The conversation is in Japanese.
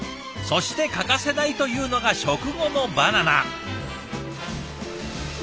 そして欠かせないというのが食後のバナナ。